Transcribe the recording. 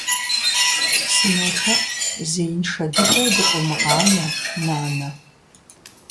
СынолъэӀу, зеиншэ дыдэу дыкъыумыгъанэ, нанэ.